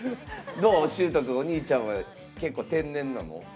どう、しゅーとくんお兄ちゃんは結構、天然なの？